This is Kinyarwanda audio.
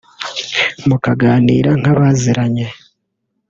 mukaganira nk’abaziranye